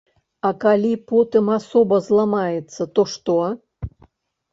А калі потым асоба зламаецца, то што?